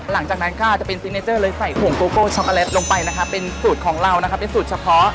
หลังจากนั้นค่ะจะเป็นซิกเนเจอร์เลยใส่ถ่วงโกโก้ช็อกโกแลตลงไปนะคะเป็นสูตรของเรานะคะเป็นสูตรเฉพาะ